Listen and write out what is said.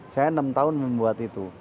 saya enam tahun membuat itu